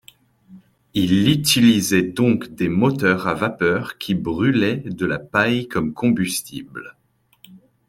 Il utilisait donc des moteurs à vapeur qui brûlaient de la paille comme combustible.